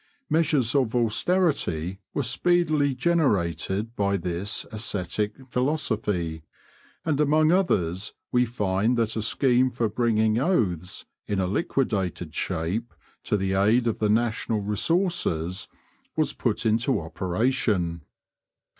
Measures of austerity were speedily generated by this ascetic philosophy; and among others we find that a scheme for bringing oaths, in a liquidated shape, to the aid of the national resources, was put into operation.